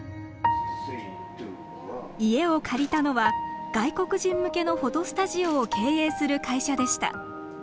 家を借りたのは外国人向けのフォトスタジオを経営する会社でした。